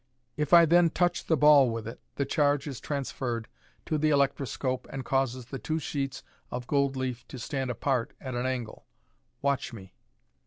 If I then touch the ball with it, the charge is transferred to the electroscope and causes the two sheets of gold leaf to stand apart at an angle. Watch me."